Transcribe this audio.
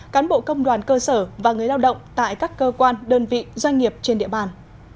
cán bộ công đoàn cơ sở và người lao động tại các cơ quan đơn vị doanh nghiệp trên địa bàn